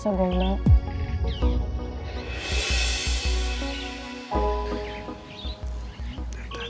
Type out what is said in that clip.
kamu masih aja bisa berbual